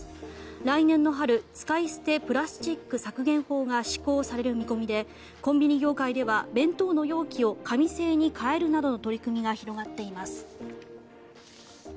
来年の春使い捨てプラスチック削減法が施行される見込みでコンビニ業界では弁当の容器を紙製に変えるなどの取り組みが広がっています。